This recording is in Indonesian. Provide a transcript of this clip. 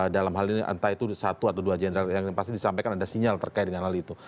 dalam hal ini entah itu satu atau dua jenderal yang pasti disampaikan ada sinyal terkait dengan hal itu